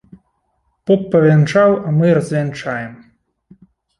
Поп павянчаў, а мы развянчаем.